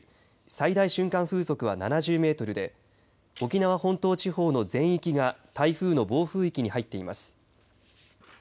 最大瞬間風速は７０メートルで沖縄本島地方の全域が台風の暴風域に入っています。